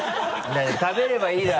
食べればいいだろ！